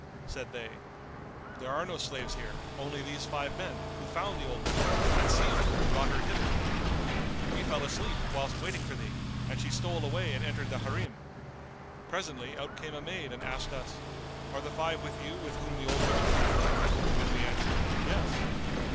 Said they, "There are no slaves here; only these five men, who found the old woman, and seized her and brought her hither. We fell asleep, whilst waiting for thee, and she stole away and entered the Harim. Presently out came a maid and asked us:—Are the five with you with whom the old woman came?"; and we answered, "Yes."